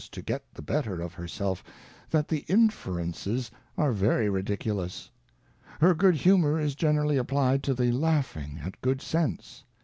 to get the better of her Self, that_the Inferences are very ridiculous. Her good Humour is generally applied to the laughing at good Sense.